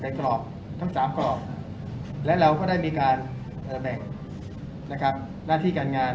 กรอบทั้ง๓กรอบและเราก็ได้มีการแบ่งนะครับหน้าที่การงาน